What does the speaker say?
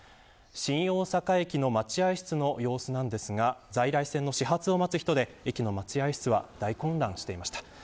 新大阪駅の待合室の様子なんですが在来線の始発を待つ人で駅の待合室は大混乱していました。